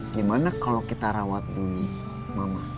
gimana kalau kita rawat di mama